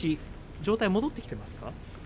状態、戻ってきていますか？